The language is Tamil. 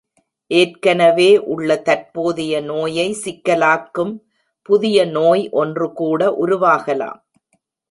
ஏற்கனவே உள்ள தற்போதைய நோயை சிக்கலாக்கும் புதிய நோய் ஒன்று கூட உருவாகலாம்.